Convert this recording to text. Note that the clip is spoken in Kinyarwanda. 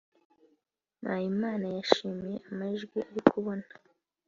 Mpayimana yishimiye amajwi ari kubona